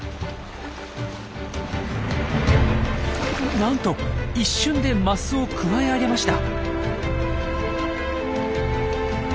なんと一瞬でマスをくわえ上げました！